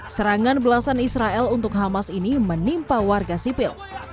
serangan belasan israel untuk hamas ini menimpa warga sipil